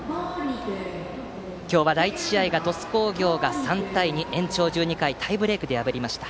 今日は第１試合で鳥栖工業が３対２と延長１２回タイブレークで破りました。